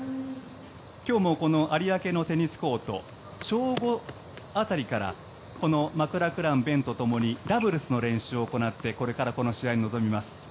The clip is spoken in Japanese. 今日も有明テニスコート正午辺りからマクラクランとともにダブルスでこれからこの試合に臨みます。